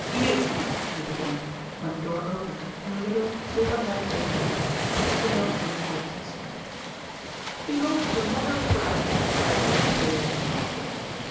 "You " he began, when the door opened and a little, silver haired lady entered. Sir John Dene jumped to his feet. "Behold the mother of the bride," cried Dorothy gaily.